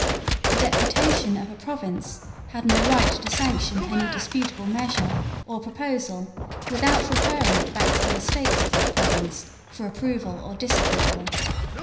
The deputation of a province had no right to sanction any disputable measure or proposal without referring it back to the Estates of that province for approval or disapproval.